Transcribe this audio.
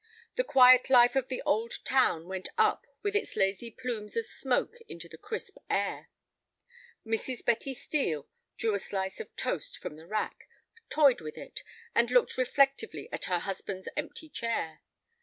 The quiet life of the old town went up with its lazy plumes of smoke into the crisp air. Mrs. Betty Steel drew a slice of toast from the rack, toyed with it, and looked reflectively at her husband's empty chair.